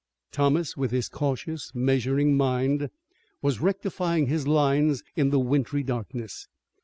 Thomas with his cautious, measuring mind was rectifying his lines in the wintry darkness.